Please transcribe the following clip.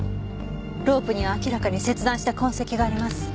ロープには明らかに切断した痕跡があります。